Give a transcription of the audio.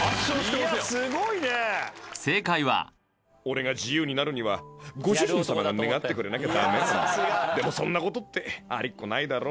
正解は俺が自由になるにはご主人様が願ってくれなきゃダメなんだでもそんなことってありっこないだろ？